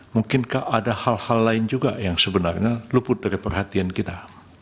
mungkinkah ada hal hal lain juga yang sebenarnya luput dari perhatian kita